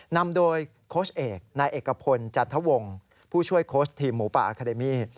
นำโดยโครเซอีตนายเอกพลจรรทวงร์ผู้ช่วยโครเซอจี่หมูปะอาคาเดมี